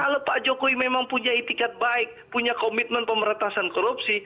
kalau pak jokowi memang punya etikat baik punya komitmen pemerintahan korupsi